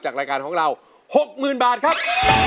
รายการของเรา๖๐๐๐บาทครับ